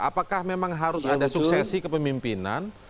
apakah memang harus ada suksesi kepemimpinan